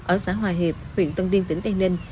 ở xã hòa hiệp huyện tân biên tỉnh tây ninh